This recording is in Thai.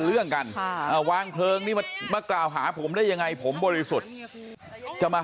เรื่องกันวางเพลิงนี่มากล่าวหาผมได้ยังไงผมบริสุทธิ์จะมา